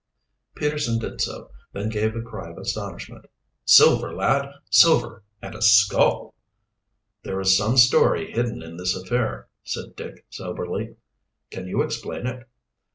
Peterson did so, then gave a cry of astonishment. "Silver, lad, silver! And a skull!" "There is some story hidden in this affair," said Dick soberly. "Can you explain it?"